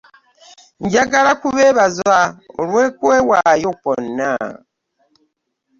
Njagala kubeebaza olw'okwewaayo kwonna.